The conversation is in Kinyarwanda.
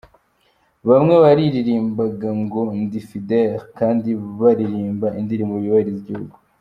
Bamwe baririmbaga ngo "Ndi Fidel" kandi baririmba indirimbo yubahiriza igihugu.